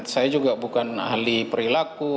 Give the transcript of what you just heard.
saya juga bukan ahli perilaku